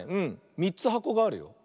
３つはこがあるよ。